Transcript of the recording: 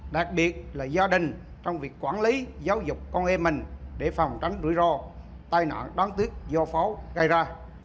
đặc biệt là gia đình trong việc quản lý giáo dục con em mình để phòng tránh rủi ro tai nạn đáng tiếc do pháo gây ra